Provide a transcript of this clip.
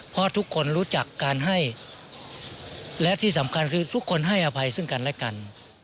เพราะทุกคนรู้จักการให้และที่สำคัญคือทุกคนให้อภัยซึ่งกันและกัน